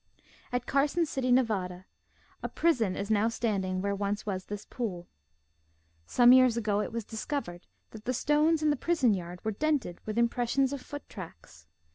At Carson City, Nevada, a prison is now stand ing where once was this pool. Some years ago it was discovered that the stones in the prison yard were dented with impressions of foot tracks.